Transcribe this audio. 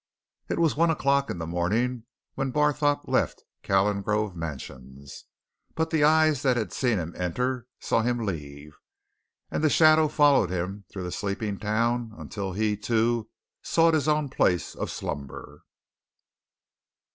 It was one o'clock in the morning when Barthorpe left Calengrove Mansions. But the eyes that had seen him enter saw him leave, and the shadow followed him through the sleeping town until he, too, sought his own place of slumber.